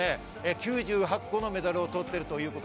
９８個のメダルを取っている。